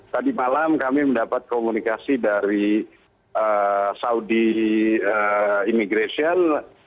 tadi malam kami mendapat komunikasi dari saudi immigration